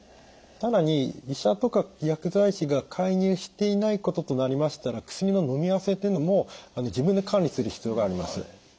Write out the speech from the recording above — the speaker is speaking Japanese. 更に医者とか薬剤師が介入していないこととなりましたら薬ののみあわせというのも自分で管理する必要があります。